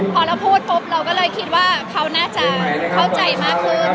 พอเราพูดปุ๊บเราก็เลยคิดว่าเขาน่าจะเข้าใจมากขึ้น